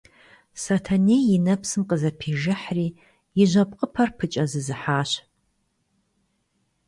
Сэтэней и нэпсым къызэпижыхьри и жьэпкъыпэр пыкӀэзызыхьащ.